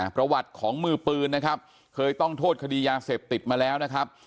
ประวัติของมือปืนนะครับเคยต้องโทษคดียาเสพติดมาแล้วนะครับ